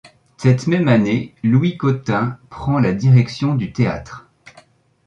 Cette même année, Louis Cautin prend la direction du théâtre.